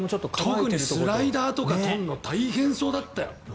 特にスライダー取るの大変そうだったよ。